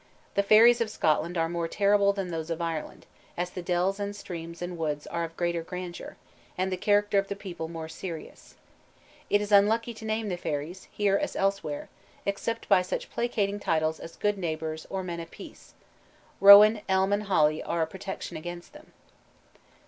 The fairies of Scotland are more terrible than those of Ireland, as the dells and streams and woods are of greater grandeur, and the character of the people more serious. It is unlucky to name the fairies, here as elsewhere, except by such placating titles as "Good Neighbors" or "Men of Peace." Rowan, elm, and holly are a protection against them.